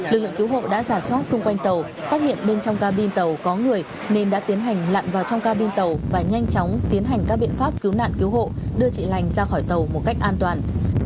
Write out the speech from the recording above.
lực lượng cứu hộ đã giả soát xung quanh tàu phát hiện bên trong cabin tàu có người nên đã tiến hành lặn vào trong ca bên tàu và nhanh chóng tiến hành các biện pháp cứu nạn cứu hộ đưa chị lành ra khỏi tàu một cách an toàn